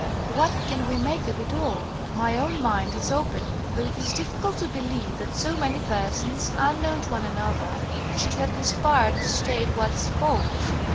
"What can we make of it all? My own mind is open, but it is difficult to believe that so many persons, unknown to one another, should have conspired to state what is false.